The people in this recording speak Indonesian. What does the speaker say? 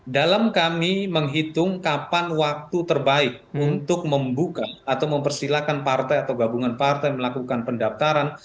dalam kami menghitung kapan waktu terbaik untuk membuka atau mempersilahkan partai atau gabungan partai melakukan pendaftaran